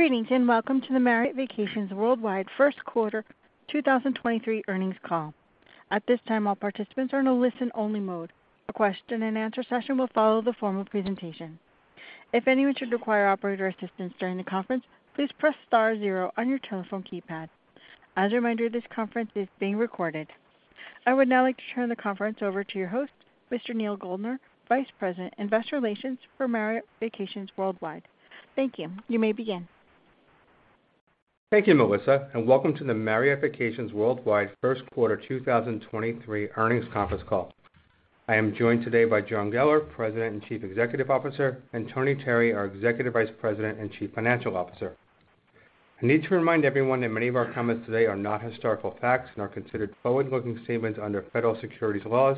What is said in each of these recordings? Greetings, welcome to the Marriott Vacations Worldwide First Quarter 2023 Earnings Call. At this time, all participants are in a listen only mode. A question and answer session will follow the formal presentation. If anyone should require operator assistance during the conference, please press star zero on your telephone keypad. As a reminder, this conference is being recorded. I would now like to turn the conference over to your host, Mr. Neal Goldner, Vice President, Investor Relations for Marriott Vacations Worldwide. Thank you. You may begin. Thank you, Melissa, and welcome to the Marriott Vacations Worldwide First Quarter 2023 earnings conference call. I am joined today by John Geller, President and Chief Executive Officer, and Anthony Terry, our Executive Vice President and Chief Financial Officer. I need to remind everyone that many of our comments today are not historical facts and are considered forward-looking statements under federal securities laws.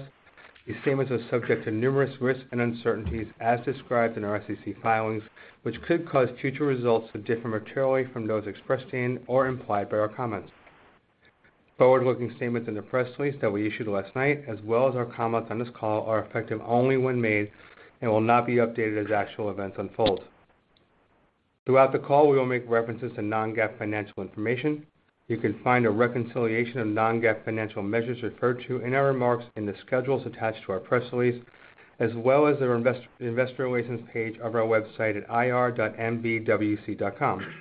These statements are subject to numerous risks and uncertainties as described in our SEC filings, which could cause future results to differ materially from those expressed here or implied by our comments. Forward-looking statements in the press release that we issued last night, as well as our comments on this call, are effective only when made and will not be updated as actual events unfold. Throughout the call, we will make references to non-GAAP financial information. You can find a reconciliation of non-GAAP financial measures referred to in our remarks in the schedules attached to our press release, as well as our investor relations page of our website at ir.mvwc.com.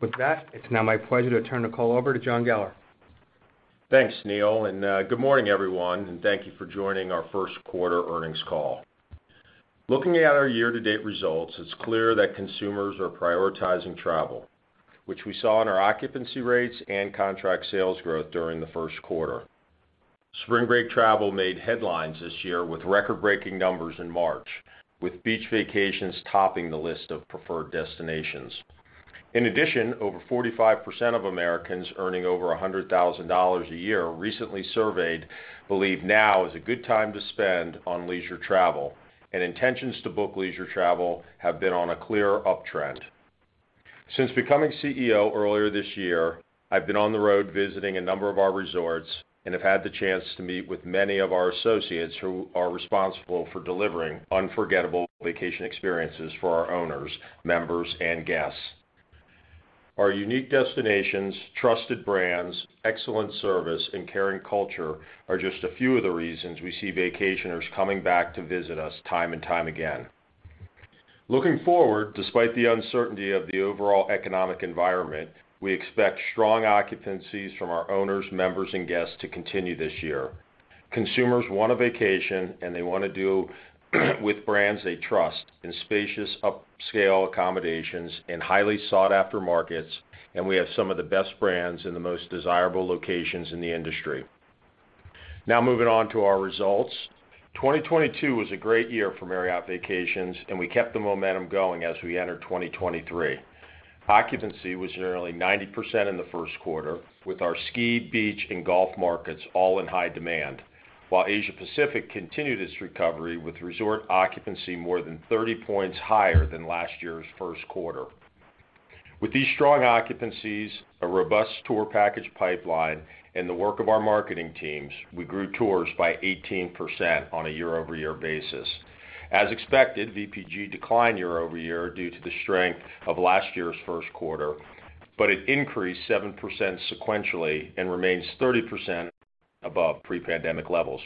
With that, it's now my pleasure to turn the call over to John Geller. Thanks, Neal, and good morning, everyone, and thank you for joining our first quarter earnings call. Looking at our year-to-date results, it's clear that consumers are prioritizing travel, which we saw in our occupancy rates and contract sales growth during the first quarter. Spring break travel made headlines this year with record-breaking numbers in March, with beach vacations topping the list of preferred destinations. In addition, over 45% of Americans earning over $100,000 a year recently surveyed believe now is a good time to spend on leisure travel. Intentions to book leisure travel have been on a clear uptrend. Since becoming CEO earlier this year, I've been on the road visiting a number of our resorts and have had the chance to meet with many of our associates who are responsible for delivering unforgettable vacation experiences for our owners, members, and guests. Our unique destinations, trusted brands, excellent service, and caring culture are just a few of the reasons we see vacationers coming back to visit us time and time again. Looking forward, despite the uncertainty of the overall economic environment, we expect strong occupancies from our owners, members, and guests to continue this year. Consumers want a vacation, and they wanna do with brands they trust in spacious, upscale accommodations in highly sought-after markets, and we have some of the best brands in the most desirable locations in the industry. Now moving on to our results. 2022 was a great year for Marriott Vacations, and we kept the momentum going as we entered 2023. Occupancy was nearly 90% in the first quarter, with our ski, beach, and golf markets all in high demand. While Asia Pacific continued its recovery with resort occupancy more than 30 points higher than last year's first quarter. With these strong occupancies, a robust tour package pipeline, and the work of our marketing teams, we grew tours by 18% on a year-over-year basis. As expected, VPG declined year-over-year due to the strength of last year's first quarter. It increased 7% sequentially and remains 30% above pre-pandemic levels.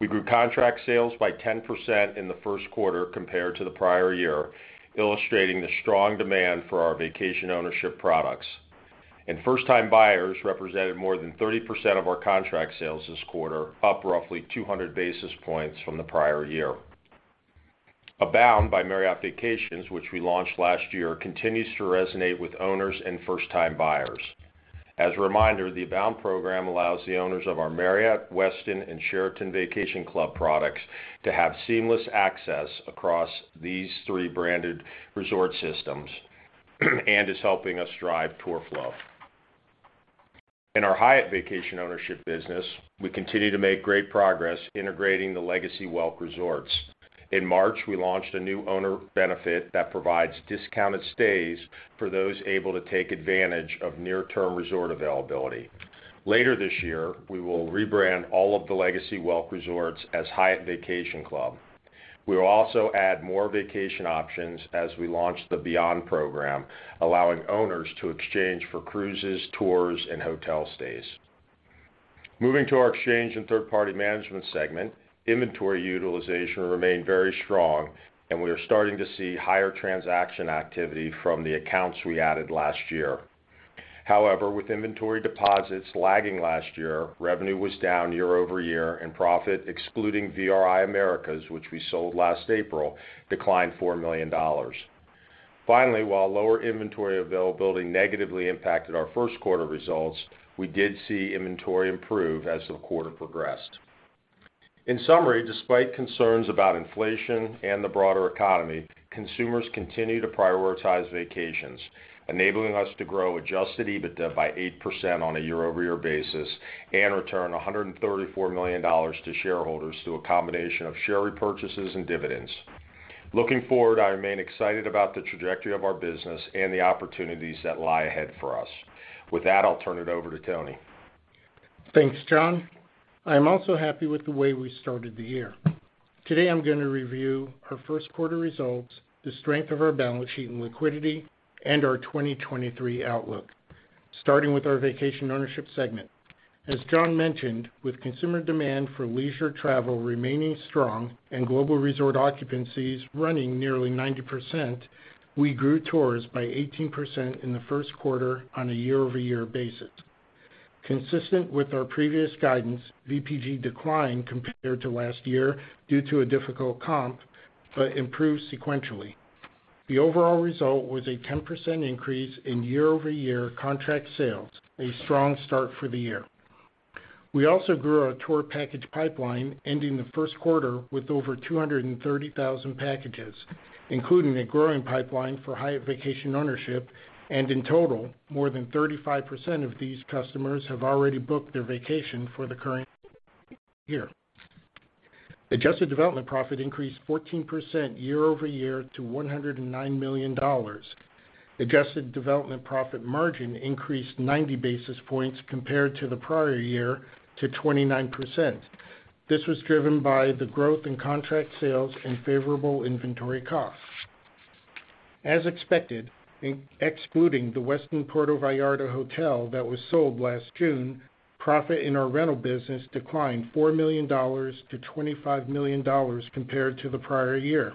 We grew contract sales by 10% in the first quarter compared to the prior year, illustrating the strong demand for our vacation ownership products. First-time buyers represented more than 30% of our contract sales this quarter, up roughly 200 basis points from the prior year. Abound by Marriott Vacations, which we launched last year, continues to resonate with owners and first-time buyers. As a reminder, the Abound program allows the owners of our Marriott, Westin, and Sheraton Vacation Club products to have seamless access across these three branded resort systems and is helping us drive tour flow. In our Hyatt Vacation ownership business, we continue to make great progress integrating the Legacy Welk Resorts. In March, we launched a new owner benefit that provides discounted stays for those able to take advantage of near-term resort availability. Later this year, we will rebrand all of the Legacy Welk Resorts as Hyatt Vacation Club. We will also add more vacation options as we launch the BEYOND program, allowing owners to exchange for cruises, tours, and hotel stays. Moving to our exchange and third-party management segment, inventory utilization remained very strong, and we are starting to see higher transaction activity from the accounts we added last year. With inventory deposits lagging last year, revenue was down year-over-year, and profit, excluding VRI Americas, which we sold last April, declined $4 million. While lower inventory availability negatively impacted our first quarter results, we did see inventory improve as the quarter progressed. Despite concerns about inflation and the broader economy, consumers continue to prioritize vacations, enabling us to grow adjusted EBITDA by 8% on a year-over-year basis and return $134 million to shareholders through a combination of share repurchases and dividends. I remain excited about the trajectory of our business and the opportunities that lie ahead for us. I'll turn it over to Tony. Thanks, John. I am also happy with the way we started the year. Today I'm gonna review our first quarter results, the strength of our balance sheet and liquidity, and our 2023 outlook. Starting with our vacation ownership segment. As John mentioned, with consumer demand for leisure travel remaining strong and global resort occupancies running nearly 90%, we grew tours by 18% in the first quarter on a year-over-year basis. Consistent with our previous guidance, VPG declined compared to last year due to a difficult comp, but improved sequentially. The overall result was a 10% increase in year-over-year contract sales, a strong start for the year. We also grew our tour package pipeline, ending the first quarter with over 230,000 packages, including a growing pipeline for higher vacation ownership. In total, more than 35% of these customers have already booked their vacation for the current year. Adjusted development profit increased 14% year-over-year to $109 million. Adjusted development profit margin increased 90 basis points compared to the prior year to 29%. This was driven by the growth in contract sales and favorable inventory costs. As expected, in excluding the Westin Puerto Vallarta hotel that was sold last June, profit in our rental business declined $4 million to $25 million compared to the prior year.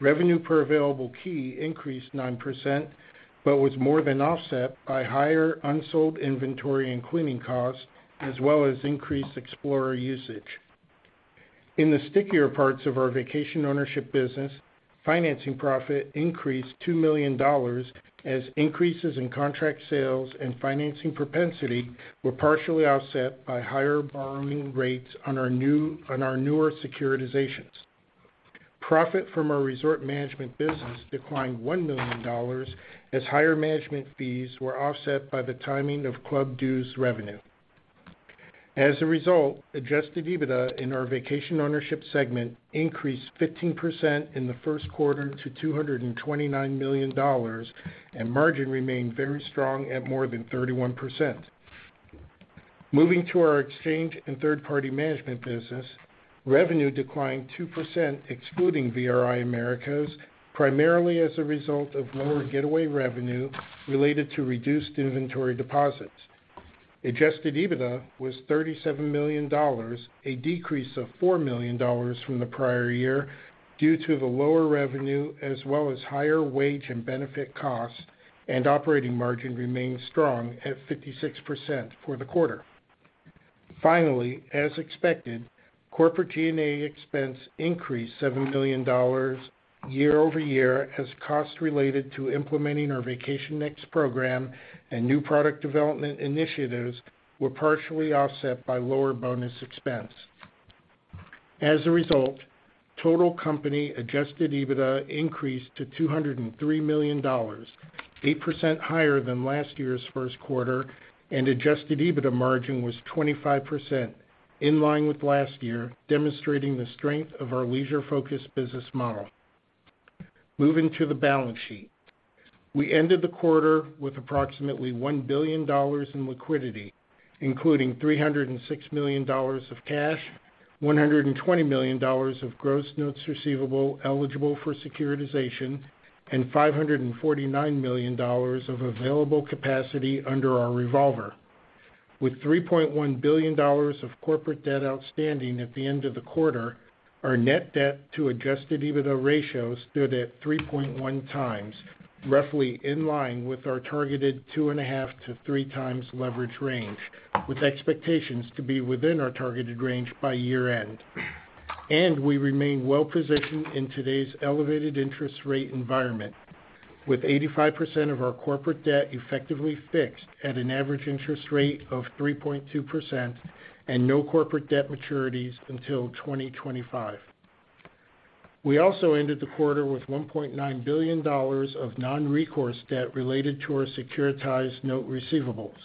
Revenue per available key increased 9%, was more than offset by higher unsold inventory and cleaning costs, as well as increased Explorer usage. In the stickier parts of our vacation ownership business, financing profit increased $2 million as increases in contract sales and financing propensity were partially offset by higher borrowing rates on our newer securitizations. Profit from our resort management business declined $1 million as higher management fees were offset by the timing of club dues revenue. Result, adjusted EBITDA in our vacation ownership segment increased 15% in the first quarter to $229 million, and margin remained very strong at more than 31%. Moving to our exchange and third-party management business, revenue declined 2% excluding VRI Americas, primarily as a result of lower getaway revenue related to reduced inventory deposits. Adjusted EBITDA was $37 million, a decrease of $4 million from the prior year due to the lower revenue as well as higher wage and benefit costs. Operating margin remained strong at 56% for the quarter. Finally, as expected, corporate G&A expense increased $7 million year-over-year as costs related to implementing our Vacation Next program and new product development initiatives were partially offset by lower bonus expense. As a result, total company adjusted EBITDA increased to $203 million, 8% higher than last year's first quarter. Adjusted EBITDA margin was 25%, in line with last year, demonstrating the strength of our leisure-focused business model. Moving to the balance sheet. We ended the quarter with approximately $1 billion in liquidity, including $306 million of cash, $120 million of gross notes receivable eligible for securitization, and $549 million of available capacity under our revolver. With $3.1 billion of corporate debt outstanding at the end of the quarter, our net debt to adjusted EBITDA ratios stood at 3.1x, roughly in line with our targeted 2.5x-3x leverage range, with expectations to be within our targeted range by year-end. We remain well-positioned in today's elevated interest rate environment with 85% of our corporate debt effectively fixed at an average interest rate of 3.2% and no corporate debt maturities until 2025. We ended the quarter with $1.9 billion of non-recourse debt related to our securitized note receivables.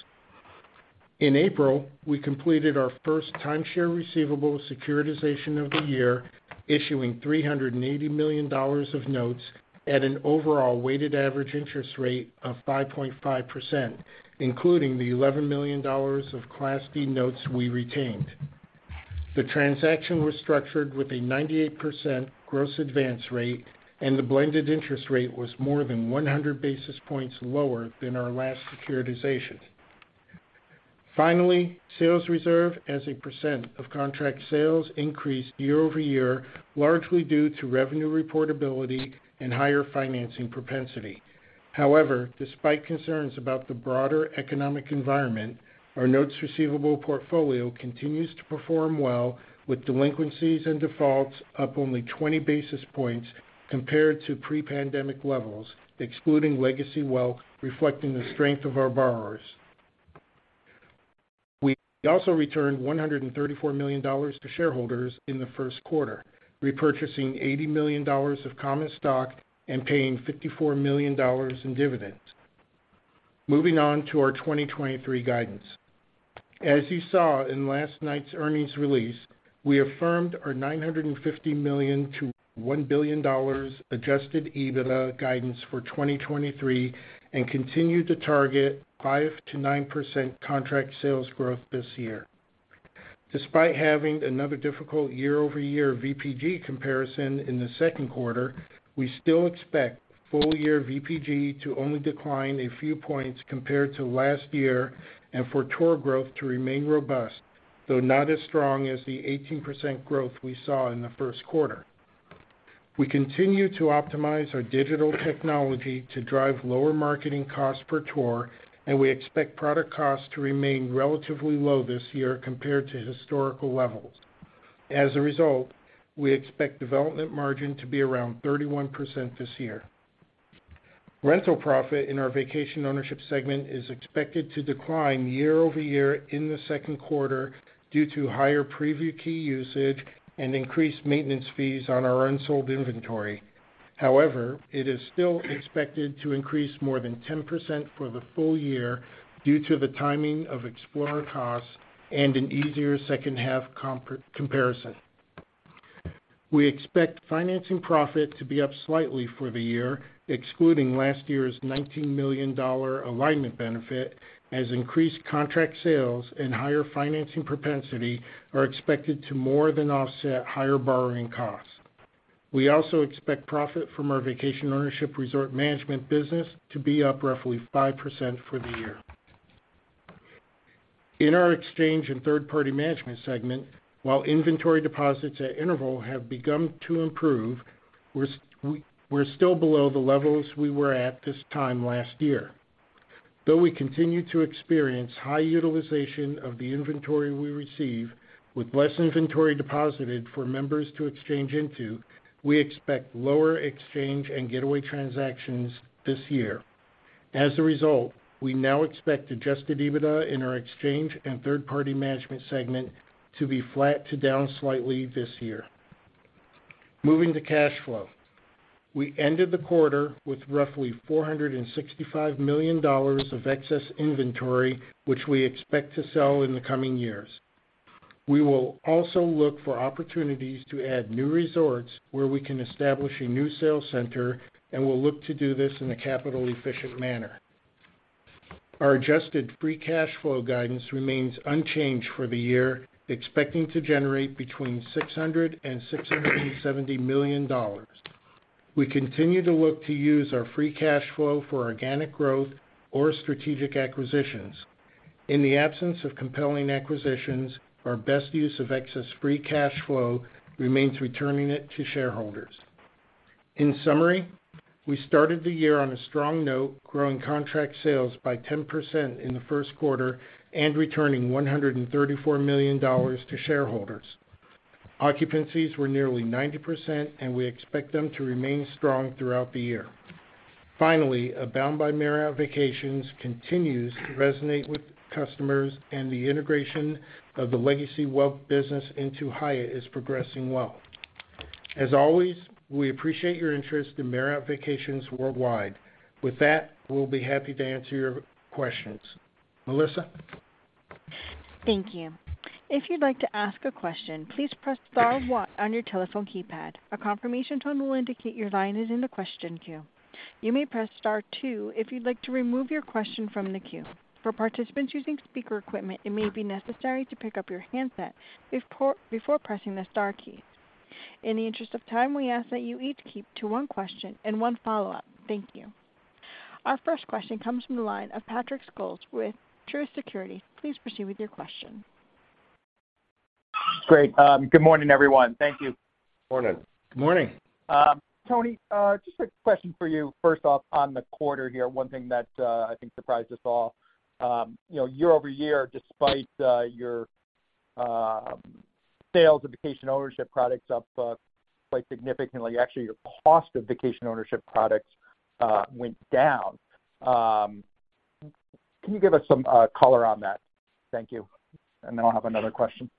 In April, we completed our first timeshare receivable securitization of the year, issuing $380 million of notes at an overall weighted average interest rate of 5.5%, including the $11 million of Class B notes we retained. The transaction was structured with a 98% gross advance rate, the blended interest rate was more than 100 basis points lower than our last securitization. Sales reserve as a % of contract sales increased year-over-year largely due to revenue reportability and higher financing propensity. Despite concerns about the broader economic environment, our notes receivable portfolio continues to perform well with delinquencies and defaults up only 20 basis points compared to pre-pandemic levels, excluding Legacy Welk, reflecting the strength of our borrowers. We also returned $134 million to shareholders in the first quarter, repurchasing $80 million of common stock and paying $54 million in dividends. Moving on to our 2023 guidance. As you saw in last night's earnings release, we affirmed our $950 million-$1 billion adjusted EBITDA guidance for 2023 and continue to target 5%-9% contract sales growth this year. Despite having another difficult year-over-year VPG comparison in the second quarter, we still expect full year VPG to only decline a few points compared to last year and for tour growth to remain robust, though not as strong as the 18% growth we saw in the first quarter. We continue to optimize our digital technology to drive lower marketing costs per tour, and we expect product costs to remain relatively low this year compared to historical levels. As a result, we expect development margin to be around 31% this year. Rental profit in our vacation ownership segment is expected to decline year-over-year in the second quarter due to higher preview key usage and increased maintenance fees on our unsold inventory. It is still expected to increase more than 10% for the full year due to the timing of Explorer costs and an easier second half comparison. We expect financing profit to be up slightly for the year, excluding last year's $19 million alignment benefit as increased contract sales and higher financing propensity are expected to more than offset higher borrowing costs. We also expect profit from our vacation ownership resort management business to be up roughly 5% for the year. In our exchange and third-party management segment, while inventory deposits at Interval have begun to improve, we're still below the levels we were at this time last year. We continue to experience high utilization of the inventory we receive with less inventory deposited for members to exchange into, we expect lower exchange and getaway transactions this year. We now expect adjusted EBITDA in our exchange and third-party management segment to be flat to down slightly this year. Moving to cash flow. We ended the quarter with roughly $465 million of excess inventory, which we expect to sell in the coming years. We will also look for opportunities to add new resorts where we can establish a new sales center, we'll look to do this in a capital efficient manner. Our adjusted free cash flow guidance remains unchanged for the year, expecting to generate between $600 million and $670 million. We continue to look to use our free cash flow for organic growth or strategic acquisitions. In the absence of compelling acquisitions, our best use of excess free cash flow remains returning it to shareholders. In summary, we started the year on a strong note, growing contract sales by 10% in the first quarter and returning $134 million to shareholders. Occupancies were nearly 90%, we expect them to remain strong throughout the year. Abound by Marriott Vacations continues to resonate with customers and the integration of the Legacy Welk business into Hyatt is progressing well. As always, we appreciate your interest in Marriott Vacations Worldwide. With that, we'll be happy to answer your questions. Melissa? Thank you. If you'd like to ask a question, please press star one on your telephone keypad. A confirmation tone will indicate your line is in the question queue. You may press star two if you'd like to remove your question from the queue. For participants using speaker equipment, it may be necessary to pick up your handset before pressing the star keys. In the interest of time, we ask that you each keep to 1 question and one follow-up. Thank you. Our first question comes from the line of Patrick Scholes with Truist Securities. Please proceed with your question. Great. Good morning, everyone. Thank you. Morning. Good morning. Anthony, just a question for you first off on the quarter here. One thing that I think surprised us all, you know, year-over-year, despite your sales of vacation ownership products up quite significantly, actually your cost of vacation ownership products went down. Can you give us some color on that? Thank you. Then I'll have another question.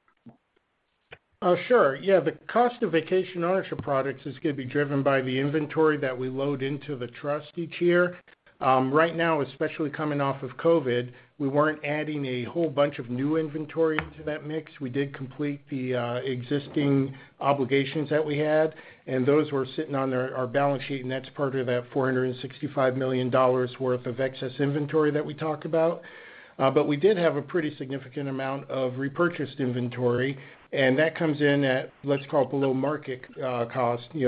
Sure. Yeah. The cost of vacation ownership products is gonna be driven by the inventory that we load into the trust each year. Right now, especially coming off of COVID, we weren't adding a whole bunch of new inventory into that mix. We did complete the existing obligations that we had, and those were sitting on our balance sheet, and that's part of that $465 million worth of excess inventory that we talked about. We did have a pretty significant amount of repurchased inventory, and that comes in at, let's call it below market cost. You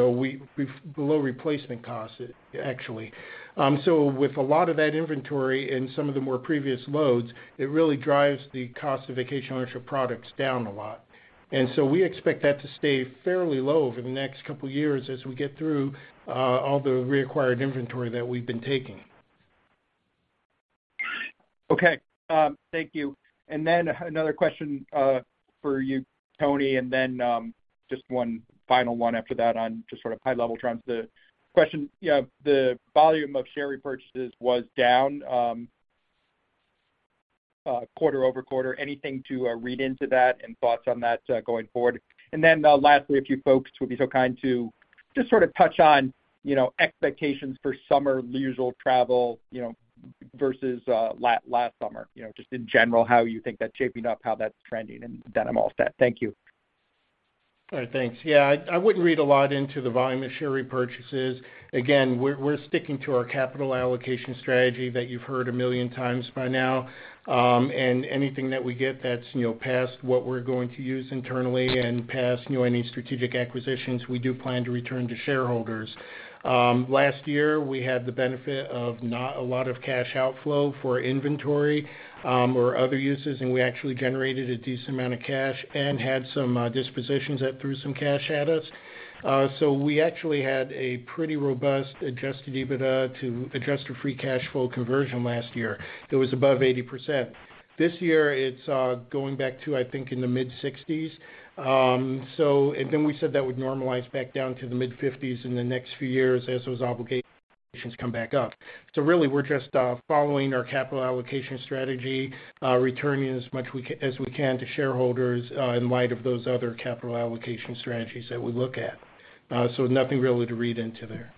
know, below replacement cost actually. With a lot of that inventory and some of the more previous loads, it really drives the cost of vacation ownership products down a lot. We expect that to stay fairly low over the next couple years as we get through all the reacquired inventory that we've been taking. Okay. Thank you. Another question for you, Anthony, and then just one final one after that on just sort of high-level trends. The question, yeah, the volume of share repurchases was down quarter-over-quarter. Anything to read into that and thoughts on that going forward? Lastly, if you folks would be so kind to just sort of touch on, you know, expectations for summer leisure travel, you know, versus last summer. You know, just in general, how you think that's shaping up, how that's trending, and then I'm all set. Thank you. All right. Thanks. Yeah, I wouldn't read a lot into the volume of share repurchases. Again, we're sticking to our capital allocation strategy that you've heard 1 million times by now. Anything that we get that's, you know, past what we're going to use internally and past, you know, any strategic acquisitions, we do plan to return to shareholders. Last year, we had the benefit of not a lot of cash outflow for inventory or other uses, and we actually generated a decent amount of cash and had some dispositions that threw some cash at us. We actually had a pretty robust adjusted EBITDA to adjusted free cash flow conversion last year that was above 80%. This year, it's going back to, I think, in the mid-60s. Then we said that would normalize back down to the mid-50s in the next few years as those obligations come back up. Really, we're just following our capital allocation strategy, returning as much as we can to shareholders in light of those other capital allocation strategies that we look at. Nothing really to read into there.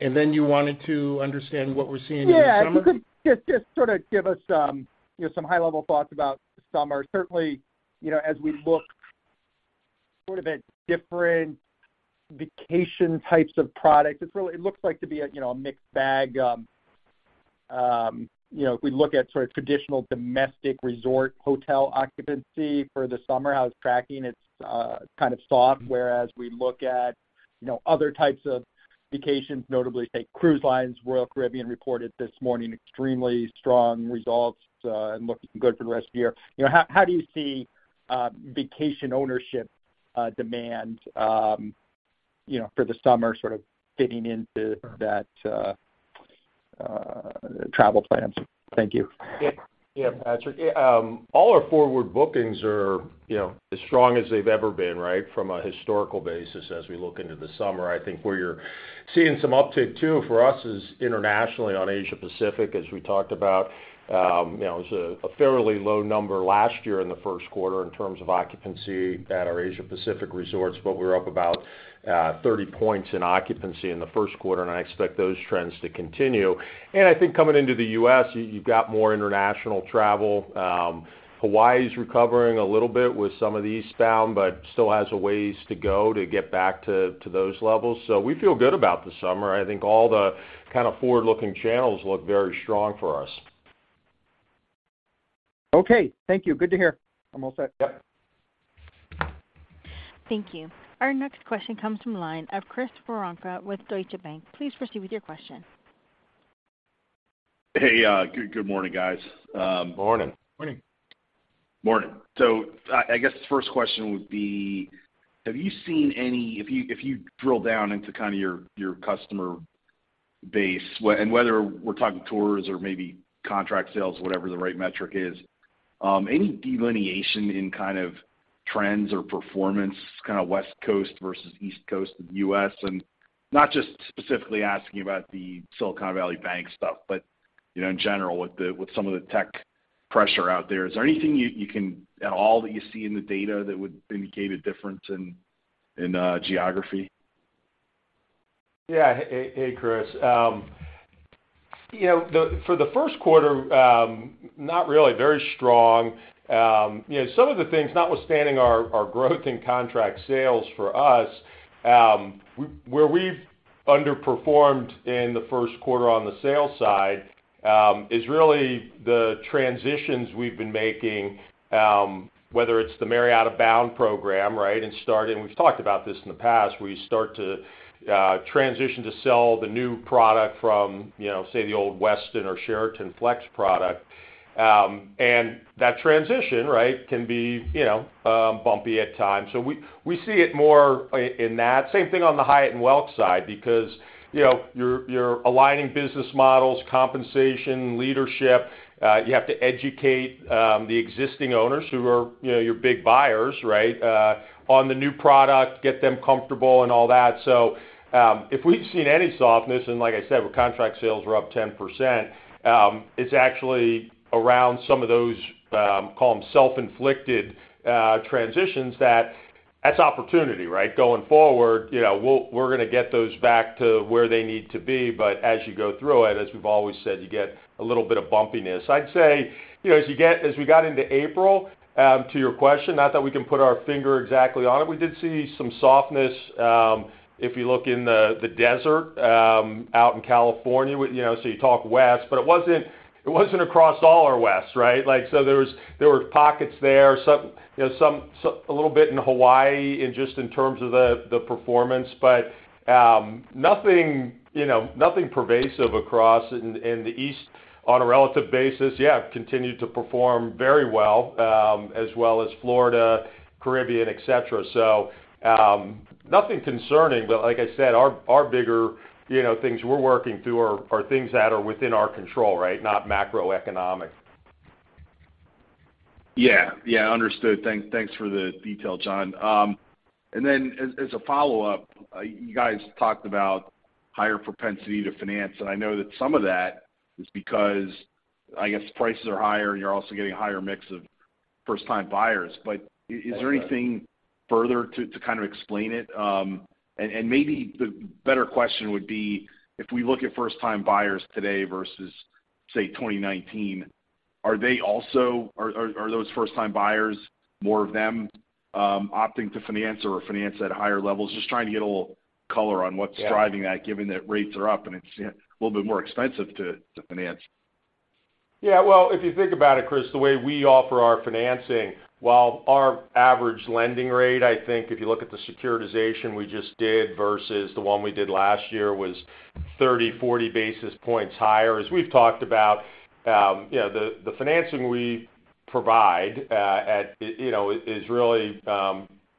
Then you wanted to understand what we're seeing in the summer? Yeah. If you could just sort of give us some, you know, some high-level thoughts about the summer. Certainly, you know, as we look sort of at different vacation types of products, it looks like to be a, you know, a mixed bag. You know, if we look at sort of traditional domestic resort hotel occupancy for the summer, how it's tracking, it's kind of soft, whereas we look at, you know, other types of vacations, notably, say, cruise lines, Royal Caribbean reported this morning extremely strong results, and looking good for the rest of the year. You know, how do you see vacation ownership demand, you know, for the summer sort of fitting into that travel plans? Thank you. Yeah, Patrick. All our forward bookings are, you know, as strong as they've ever been, right, from a historical basis as we look into the summer. I think where you're seeing some uptick too for us is internationally on Asia Pacific, as we talked about. You know, it was a fairly low number last year in the first quarter in terms of occupancy at our Asia Pacific resorts, but we're up about 30 points in occupancy in the first quarter, and I expect those trends to continue. I think coming into the U.S., you've got more international travel. Hawaii's recovering a little bit with some of the eastbound, but still has a ways to go to get back to those levels. We feel good about the summer. I think all the kind of forward-looking channels look very strong for us. Okay. Thank you. Good to hear. I'm all set. Yep. Thank you. Our next question comes from line of Chris Woronka with Deutsche Bank. Please proceed with your question. Hey, good morning, guys. Morning. Morning. Morning. I guess the first question would be, have you seen any. If you drill down into kind of your customer base, and whether we're talking tours or maybe contract sales, whatever the right metric is, any delineation in kind of trends or performance kind of West Coast versus East Coast of the US? Not just specifically asking about the Silicon Valley Bank stuff, but, you know, in general with the, with some of the tech pressure out there, is there anything you can at all that you see in the data that would indicate a difference in geography? Hey, hey, Chris. You know, for the first quarter, not really. Very strong. You know, some of the things, notwithstanding our growth in contract sales for us, where we've underperformed in the first quarter on the sales side, is really the transitions we've been making, whether it's the Marriott Abound program, right? We've talked about this in the past, where you start to transition to sell the new product from, you know, say, the old Westin or Sheraton Flex product. That transition, right, can be, you know, bumpy at times. We, we see it more in that. Same thing on the Hyatt and Welk side because, you know, you're aligning business models, compensation, leadership. You have to educate, you know, the existing owners who are, you know, your big buyers, right, on the new product, get them comfortable and all that. If we've seen any softness, and like I said, our contract sales were up 10%, it's actually around some of those, call them self-inflicted, transitions that's opportunity, right? Going forward, you know, we're gonna get those back to where they need to be. As you go through it, as we've always said, you get a little bit of bumpiness. I'd say, you know, as we got into April, to your question, not that we can put our finger exactly on it, we did see some softness, if you look in the desert, out in California with, you know, so you talk west. It wasn't across all our west, right? Like, there were pockets there, some, you know, some a little bit in Hawaii and just in terms of the performance, but nothing, you know, nothing pervasive across. In the East on a relative basis, yeah, continued to perform very well, as well as Florida, Caribbean, et cetera. Nothing concerning, but like I said, our bigger, you know, things we're working through are things that are within our control, right? Not macroeconomic. Yeah. Understood. Thanks for the detail, John. As a follow-up, you guys talked about higher propensity to finance, and I know that some of that is because, I guess, prices are higher and you're also getting a higher mix of first-time buyers. Is there anything further to kind of explain it? Maybe the better question would be, if we look at first-time buyers today versus, say, 2019, are those first-time buyers, more of them, opting to finance or finance at higher levels? Just trying to get a little color on what's. Yeah. driving that, given that rates are up and it's a little bit more expensive to finance. Well, if you think about it, Chris, the way we offer our financing, while our average lending rate, I think if you look at the securitization we just did versus the one we did last year, was 30, 40 basis points higher. As we've talked about, you know, the financing we provide, at, you know, is really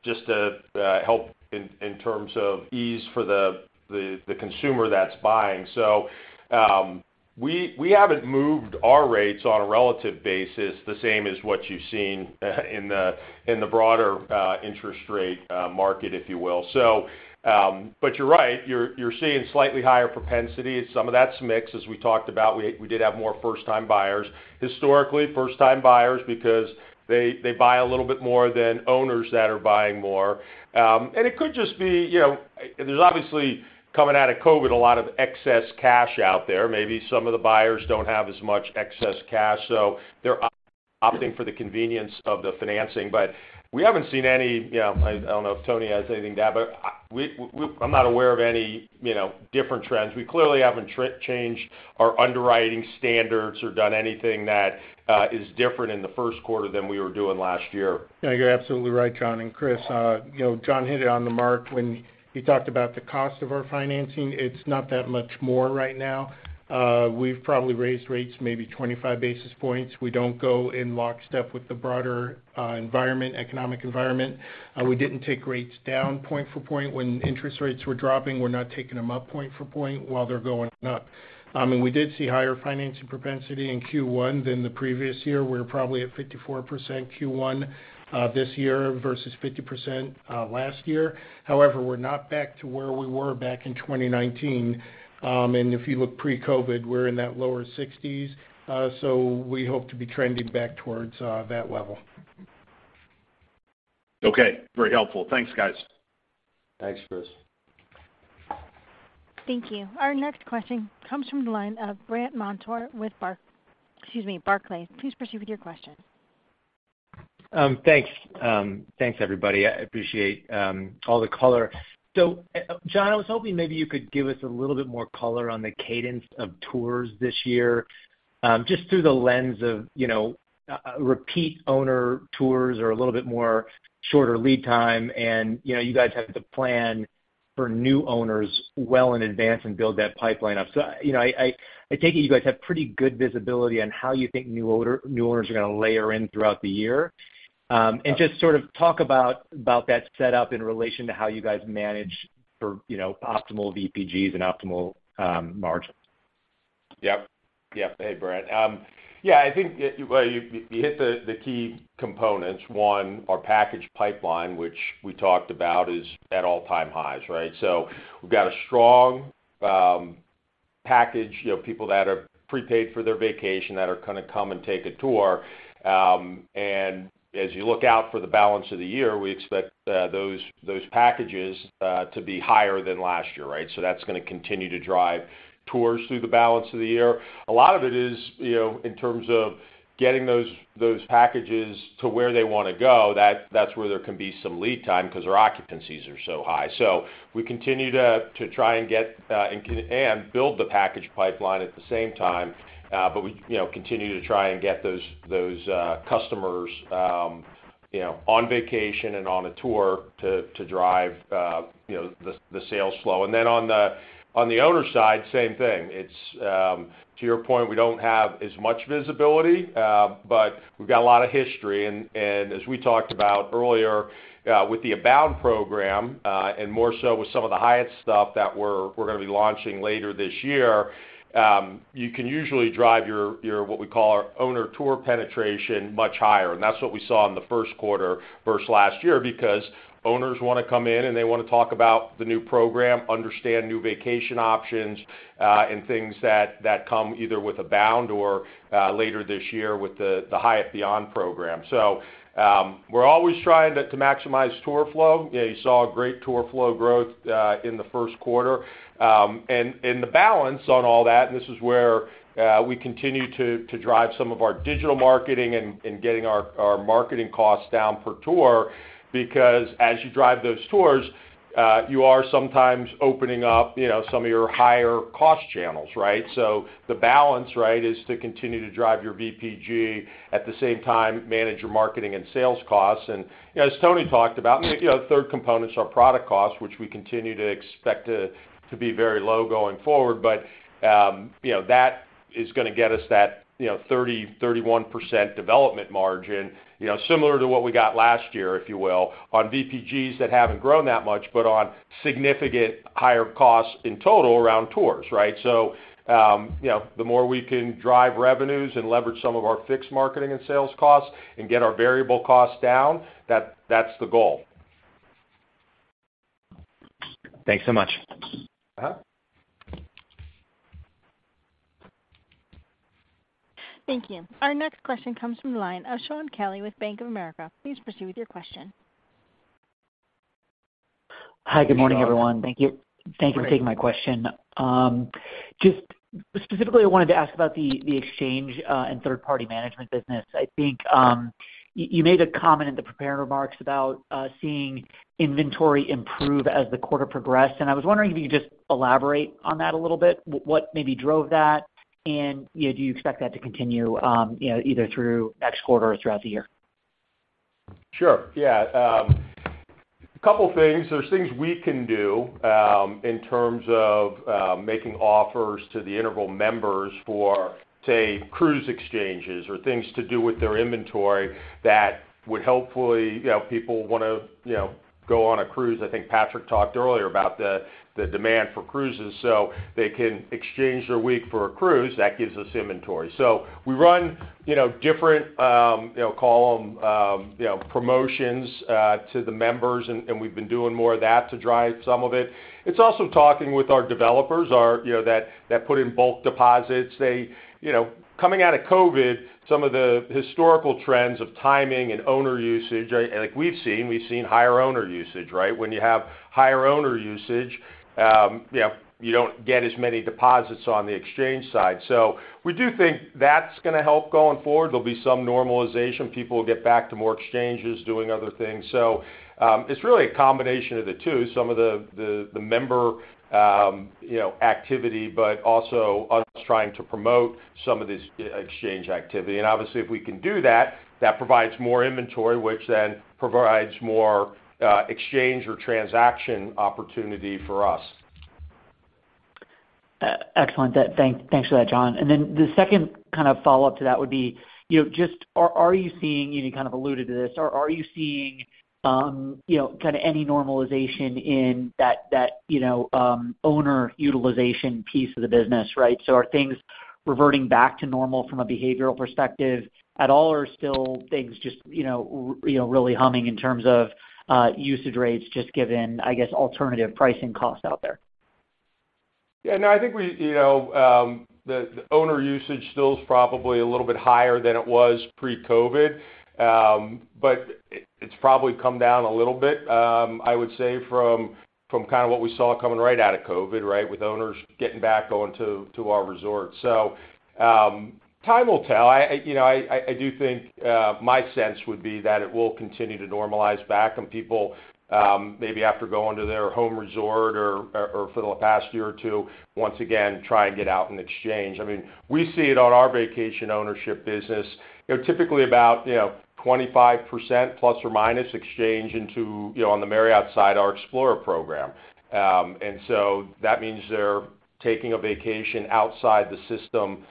just to help in terms of ease for the consumer that's buying. We haven't moved our rates on a relative basis the same as what you've seen in the broader interest rate market, if you will. You're right. You're seeing slightly higher propensity. Some of that's mix. As we talked about, we did have more first-time buyers. Historically, first time buyers, because they buy a little bit more than owners that are buying more. It could just be, you know, there's obviously, coming out of COVID, a lot of excess cash out there. Maybe some of the buyers don't have as much excess cash, so they're opting for the convenience of the financing. We haven't seen any, you know, I don't know if Anthony has anything to add, but I'm not aware of any, you know, different trends. We clearly haven't changed our underwriting standards or done anything that is different in the first quarter than we were doing last year. You're absolutely right, John and Chris. You know, John hit it on the mark when he talked about the cost of our financing. It's not that much more right now. We've probably raised rates maybe 25 basis points. We don't go in lockstep with the broader environment, economic environment. We didn't take rates down point for point when interest rates were dropping. We're not taking them up point for point while they're going up. I mean, we did see higher financing propensity in Q1 than the previous year. We're probably at 54% Q1 this year versus 50% last year. However, we're not back to where we were back in 2019. If you look pre-COVID, we're in that lower 60s. We hope to be trending back towards that level. Okay. Very helpful. Thanks, guys. Thanks, Chris. Thank you. Our next question comes from the line of Brandt Montour with excuse me, Barclays. Please proceed with your question. Thanks. Thanks, everybody. I appreciate all the color. John, I was hoping maybe you could give us a little bit more color on the cadence of tours this year, just through the lens of, you know, repeat owner tours or a little bit more shorter lead time. You know, you guys have to plan for new owners well in advance and build that pipeline up. You know, I take it you guys have pretty good visibility on how you think new owners are going to layer in throughout the year. Just sort about that setup in relation to how you guys manage for, you know, optimal VPGs and optimal margins. Yep. Hey, Brandt. Yeah, I think you, well, you hit the key components. One, our package pipeline, which we talked about, is at all-time highs, right? We've got a strong package, you know, people that are prepaid for their vacation that are gonna come and take a tour. As you look out for the balance of the year, we expect those packages to be higher than last year, right? That's gonna continue to drive tours through the balance of the year. A lot of it is, you know, in terms of getting those packages to where they wanna go, that's where there can be some lead time because our occupancies are so high. We continue to try and get and build the package pipeline at the same time, but we, you know, continue to try and get those customers, you know, on vacation and on a tour to drive, you know, the sales flow. On the owner side, same thing. It's to your point, we don't have as much visibility, but we've got a lot of history. As we talked about earlier, with the Abound program, and more so with some of the Hyatt stuff that we're gonna be launching later this year, you can usually drive your what we call our owner tour penetration much higher. That's what we saw in the first quarter versus last year, because owners wanna come in and they wanna talk about the new program, understand new vacation options, and things that come either with Abound or later this year with the Hyatt BEYOND program. We're always trying to maximize tour flow. You saw a great tour flow growth in the first quarter. The balance on all that, and this is where we continue to drive some of our digital marketing and getting our marketing costs down per tour. As you drive those tours, you are sometimes opening up, you know, some of your higher cost channels, right? The balance, right, is to continue to drive your VPG at the same time, manage your marketing and sales costs. As Tony talked about, you know, third component's our product costs, which we continue to expect to be very low going forward. That, you know, is gonna get us that, you know, 30%-31% development margin, you know, similar to what we got last year, if you will, on VPGs that haven't grown that much, but on significant higher costs in total around tours, right? The, you know, more we can drive revenues and leverage some of our fixed marketing and sales costs and get our variable costs down, that's the goal. Thanks so much. Uh-huh. Thank you. Our next question comes from the line of Shaun Kelley with Bank of America. Please proceed with your question. Hi, good morning, everyone. Thank you. Thank you for taking my question. Just specifically, I wanted to ask about the exchange and third-party management business. I think, you made a comment in the prepared remarks about seeing inventory improve as the quarter progressed. I was wondering if you could just elaborate on that a little bit. What maybe drove that, and, you know, do you expect that to continue, you know, either through next quarter or throughout the year? Sure. Yeah. Couple things. There's things we can do, in terms of making offers to the Interval members for, say, cruise exchanges or things to do with their inventory that would hopefully, you know, people wanna, you know, go on a cruise. I think Patrick talked earlier about the demand for cruises. They can exchange their week for a cruise, that gives us inventory. We run, you know, different, you know, call them, you know, promotions to the members and we've been doing more of that to drive some of it. It's also talking with our developers, you know, that put in bulk deposits. They, you know, coming out of COVID, some of the historical trends of timing and owner usage, like we've seen higher owner usage, right? When you have higher owner usage, you know, you don't get as many deposits on the exchange side. We do think that's gonna help going forward. There'll be some normalization. People will get back to more exchanges, doing other things. It's really a combination of the two, some of the member, you know, activity, but also us trying to promote some of this e-exchange activity. Obviously if we can do that provides more inventory, which then provides more exchange or transaction opportunity for us. Excellent. Thanks for that, John. The second kind of follow-up to that would be, you know, just are you seeing, and you kind of alluded to this. Are you seeing, you know, kinda any normalization in that, you know, owner utilization piece of the business, right? Are things reverting back to normal from a behavioral perspective at all, or still things just, you know, really humming in terms of usage rates just given, I guess, alternative pricing costs out there? Yeah, no, I think we, you know, the owner usage still is probably a little bit higher than it was pre-COVID, but it's probably come down a little bit, I would say from kind of what we saw coming right out of COVID, right? With owners getting back on to our resorts. Time will tell. I, you know, I do think, my sense would be that it will continue to normalize back and people, maybe after going to their home resort or for the past year or two, once again, try and get out and exchange. I mean, we see it on our vacation ownership business. You know, typically about, you know, 25% plus or minus exchange into, you know, on the Marriott side, our Explorer program. That means they're taking a vacation outside the system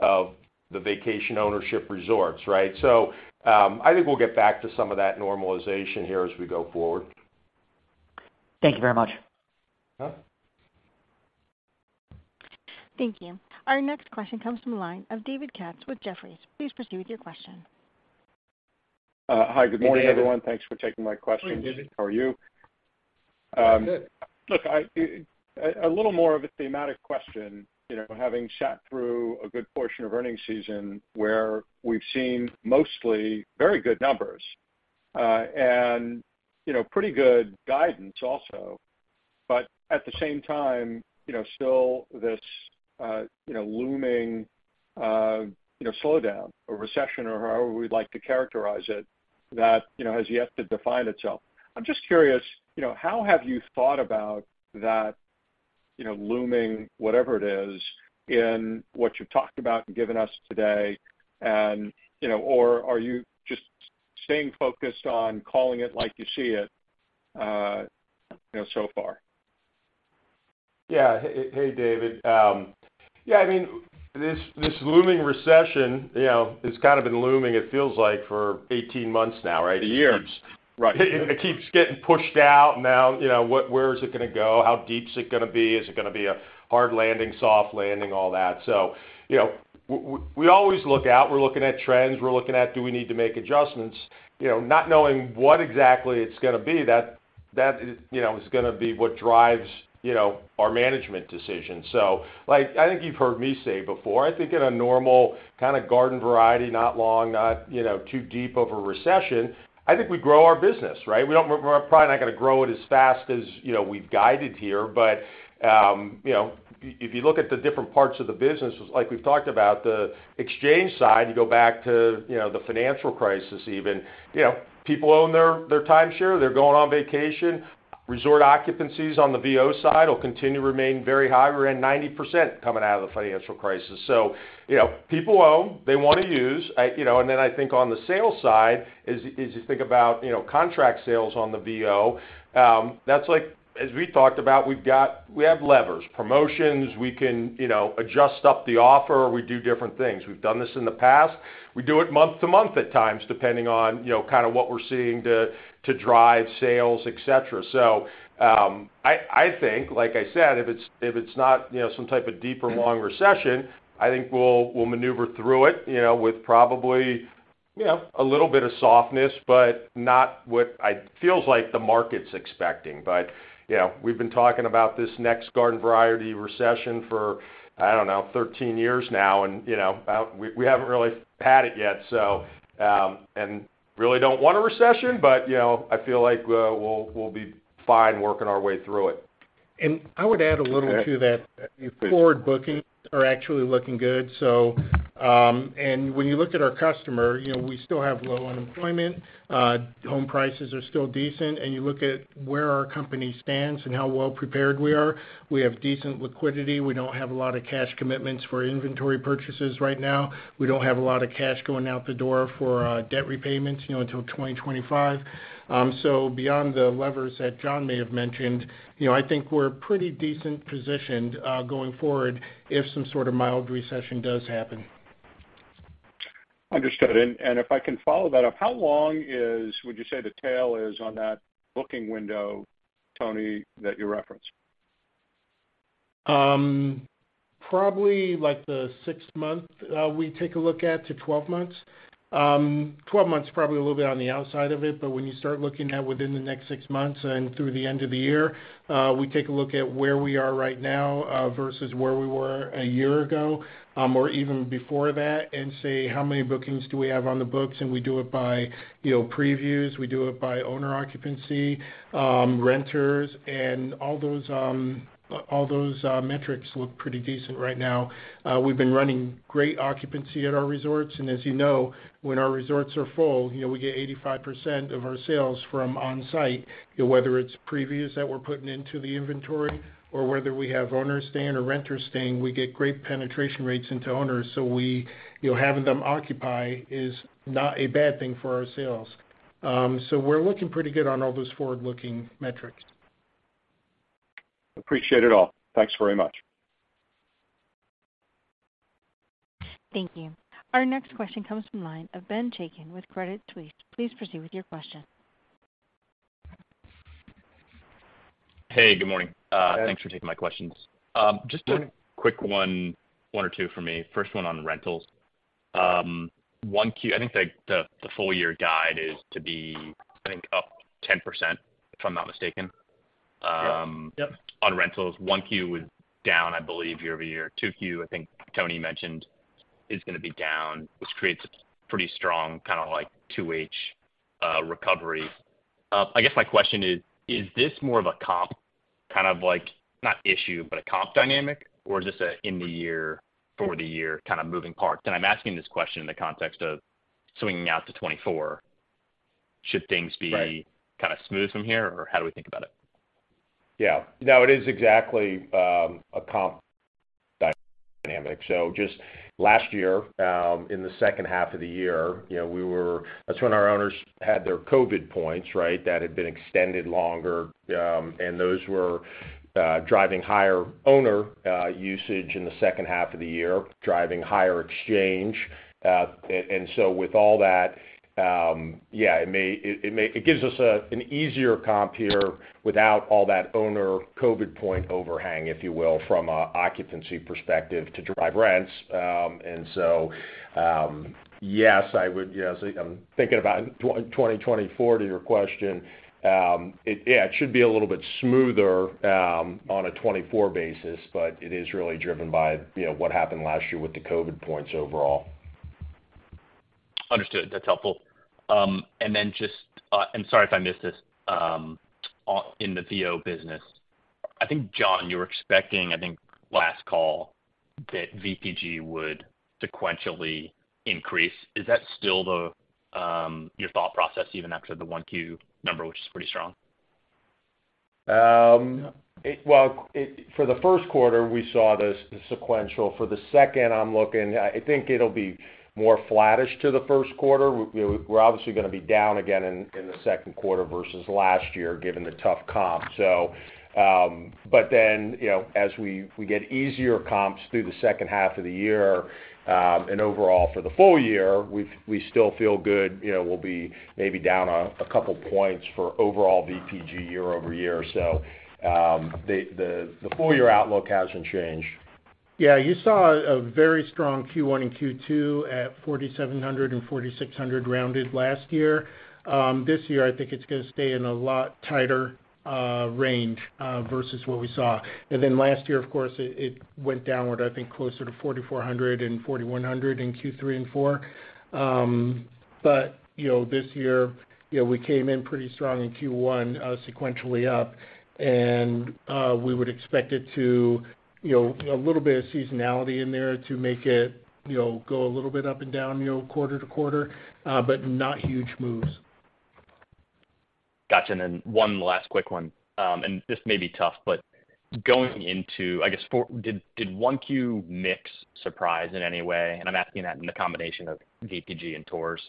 of the vacation ownership resorts, right? I think we'll get back to some of that normalization here as we go forward. Thank you very much. Uh-huh. Thank you. Our next question comes from the line of David Katz with Jefferies. Please proceed with your question. Hi, good morning, everyone. Hey, David. Thanks for taking my question. Morning, David. How are you? I'm good. Look, I, a little more of a thematic question, you know, having sat through a good portion of earnings season where we've seen mostly very good numbers, and, you know, pretty good guidance also. At the same time, you know, still this, you know, looming, you know, slowdown or recession or however we'd like to characterize it, that, you know, has yet to define itself. I'm just curious, you know, how have you thought about that, you know, looming, whatever it is, in what you've talked about and given us today, and, you know, are you just staying focused on calling it like you see it, you know, so far? Yeah. Hey, David. Yeah, I mean, this looming recession, you know, it's kind of been looming, it feels like, for 18 months now, right? A year. Right. It keeps getting pushed out. Now, you know, where is it gonna go? How deep is it gonna be? Is it gonna be a hard landing, soft landing, all that. You know, we always look out. We're looking at trends, we're looking at do we need to make adjustments, you know, not knowing what exactly it's gonna be that is, you know, is gonna be what drives, you know, our management decisions. Like, I think you've heard me say before, I think in a normal kind of garden variety, not long, not, you know, too deep of a recession, I think we grow our business, right? We're probably not gonna grow it as fast as, you know, we've guided here. You know, if you look at the different parts of the business, like we've talked about, the exchange side, you go back to, you know, the financial crisis even, you know, people own their timeshare, they're going on vacation. Resort occupancies on the VO side will continue to remain very high. We're in 90% coming out of the financial crisis. You know, people own, they wanna use. I, you know, I think on the sales side is you think about, you know, contract sales on the VO. That's like, as we talked about, we have levers, promotions. We can, you know, adjust up the offer. We do different things. We've done this in the past. We do it month to month at times, depending on, you know, kind of what we're seeing to drive sales, et cetera. I think, like I said, if it's, if it's not, you know, some type of deep or long recession, I think we'll maneuver through it, you know, with probably, you know, a little bit of softness, but not what feels like the market's expecting. You know, we've been talking about this next garden variety recession for, I don't know, 13 years now and, you know, we haven't really had it yet. Really don't want a recession, but, you know, I feel like we'll be fine working our way through it. I would add a little to that. The forward bookings are actually looking good. When you look at our customer, you know, we still have low unemployment, home prices are still decent, you look at where our company stands and how well prepared we are, we have decent liquidity. We don't have a lot of cash commitments for inventory purchases right now. We don't have a lot of cash going out the door for debt repayments, you know, until 2025. Beyond the levers that Jon may have mentioned, you know, I think we're pretty decent positioned going forward if some sort of mild recession does happen. Understood. If I can follow that up, how long would you say the tail is on that booking window, Anthony, that you referenced? Probably like the six month, we take a look at to 12 months. 12 months probably a little bit on the outside of it, but when you start looking at within the next six months and through the end of the year, we take a look at where we are right now versus where we were a year ago or even before that and say, how many bookings do we have on the books? We do it by, you know, previews. We do it by owner occupancy, renters, and all those, all those metrics look pretty decent right now. We've been running great occupancy at our resorts, and as you know, when our resorts are full, you know, we get 85% of our sales from on-site, whether it's previews that we're putting into the inventory or whether we have owners staying or renters staying, we get great penetration rates into owners. We, you know, having them occupy is not a bad thing for our sales. We're looking pretty good on all those forward-looking metrics. Appreciate it all. Thanks very much. Thank you. Our next question comes from line of Ben Chaiken with Credit Suisse. Please proceed with your question. Hey, good morning. Thanks for taking my questions. Just a quick one or two for me. First one on rentals. I think the full year guide is to be, I think, up 10%, if I'm not mistaken. Yep. On rentals. 1Q was down, I believe, year-over-year. 2Q, I think Tony mentioned, is gonna be down, which creates a pretty strong kind of like 2H recovery. I guess my question is this more of a comp kind of like, not issue, but a comp dynamic or just a in the year for the year kind of moving part? I'm asking this question in the context of swinging out to 2024. Should things be kind of smooth from here, or how do we think about it? No, it is exactly a comp dynamic. Just last year, in the second half of the year, you know, That's when our owners had their COVID points, right? That had been extended longer, and those were driving higher owner usage in the second half of the year, driving higher exchange. With all that, it gives us an easier comp here without all that owner COVID point overhang, if you will, from a occupancy perspective to drive rents. Yes, I'm thinking about 2024 to your question. It should be a little bit smoother on a 2024 basis, but it is really driven by, you know, what happened last year with the COVID points overall. Understood. That's helpful. Then just, sorry if I missed this. In the VO business, I think, Jon, you were expecting, I think, last call that VPG would sequentially increase. Is that still the, your thought process even after the 1Q number, which is pretty strong? For the 1st quarter, we saw the sequential. For the 2nd, I'm looking... I think it'll be more flattish to the 1st quarter. We're obviously gonna be down again in the 2nd quarter versus last year, given the tough comp. You know, as we get easier comps through the 2nd half of the year, and overall for the full year, we still feel good. You know, we'll be maybe down a couple points for overall VPG year-over-year. The full year outlook hasn't changed. Yeah. You saw a very strong Q1 and Q2 at 4,700 and 4,600 rounded last year. This year, I think it's gonna stay in a lot tighter range versus what we saw. Last year, of course, it went downward, I think, closer to 4,400 and 4,100 in Q3 and Q4. You know, this year, you know, we came in pretty strong in Q1, sequentially up, and we would expect it to, you know, a little bit of seasonality in there to make it, you know, go a little bit up and down, you know, quarter to quarter, but not huge moves. Got you. One last quick one, this may be tough, but going into, I guess. Did 1Q mix surprise in any way? I'm asking that in the combination of VPG and tours.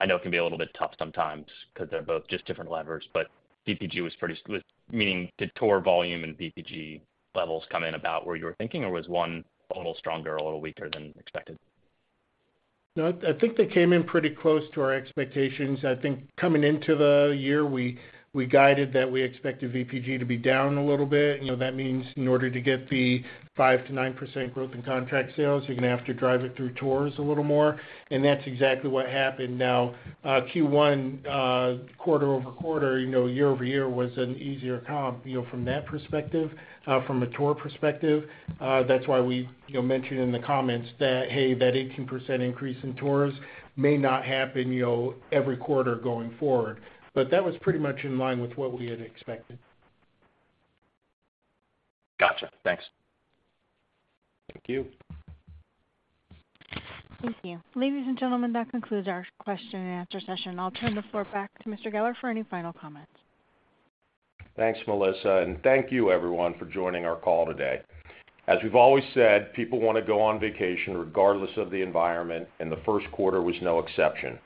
I know it can be a little bit tough sometimes because they're both just different levers, but VPG was pretty... Meaning did tour volume and VPG levels come in about where you were thinking, or was one a little stronger or a little weaker than expected? No. I think they came in pretty close to our expectations. I think coming into the year, we guided that we expected VPG to be down a little bit. You know, that means in order to get the 5%-9% growth in contract sales, you're gonna have to drive it through tours a little more, and that's exactly what happened. Q1, quarter-over-quarter, you know, year-over-year was an easier comp, you know, from that perspective. From a tour perspective, that's why we, you know, mentioned in the comments that, hey, that 18% increase in tours may not happen, you know, every quarter going forward. But that was pretty much in line with what we had expected. Gotcha. Thanks. Thank you. Thank you. Ladies and gentlemen, that concludes our question and answer session. I'll turn the floor back to Mr. Geller for any final comments. Thanks, Melissa. Thank you everyone for joining our call today. As we've always said, people wanna go on vacation regardless of the environment. The first quarter was no exception.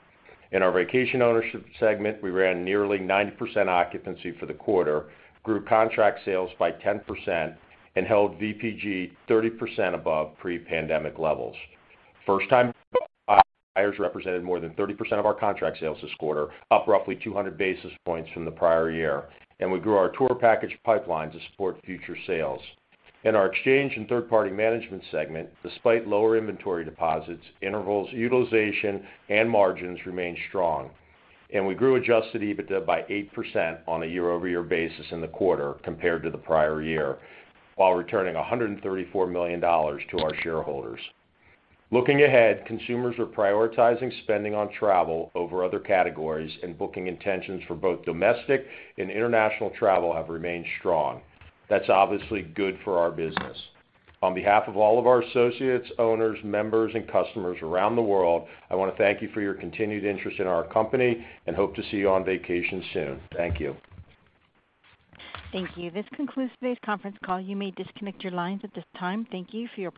In our vacation ownership segment, we ran nearly 90% occupancy for the quarter, grew contract sales by 10% and held VPG 30% above pre-pandemic levels. First time buyers represented more than 30% of our contract sales this quarter, up roughly 200 basis points from the prior year. We grew our tour package pipeline to support future sales. In our exchange and third-party management segment, despite lower inventory deposits, intervals, utilization and margins remained strong. We grew adjusted EBITDA by 8% on a year-over-year basis in the quarter compared to the prior year, while returning $134 million to our shareholders. Looking ahead, consumers are prioritizing spending on travel over other categories and booking intentions for both domestic and international travel have remained strong. That's obviously good for our business. On behalf of all of our associates, owners, members and customers around the world, I wanna thank you for your continued interest in our company and hope to see you on vacation soon. Thank you. Thank you. This concludes today's conference call. You may disconnect your lines at this time. Thank you for your participation.